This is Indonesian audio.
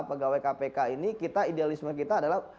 pegawai kpk ini kita idealisme kita adalah